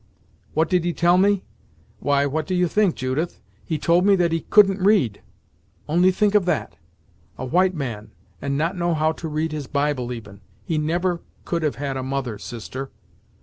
"What did he tell me? why, what do you think, Judith; he told me that he couldn't read! Only think of that! a white man, and not know how to read his Bible even! He never could have had a mother, sister!"